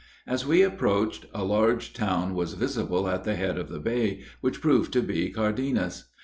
As we approached, a large town was visible at the head of the bay, which proved to be Cardenas.